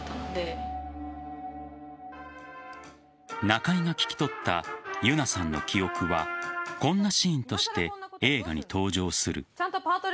中井が聞き取った優奈さんの記憶はこんなシーンとして映画に登場する。